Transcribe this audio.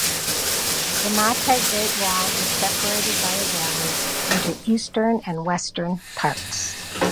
Simatai Great Wall is separated by a valley into eastern and western parts.